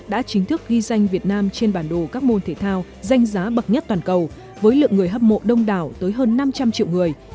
đã chính thức ghi danh việt nam trên bản đồ các môn thể thao danh giá bậc nhất toàn cầu với lượng người hâm mộ đông đảo tới hơn năm trăm linh triệu người